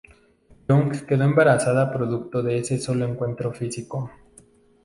Young quedó embarazada producto de ese solo encuentro físico.